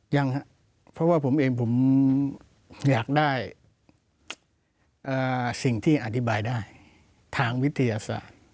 ยังครับเพราะว่าผมเองผมอยากได้สิ่งที่อธิบายได้ทางวิทยาศาสตร์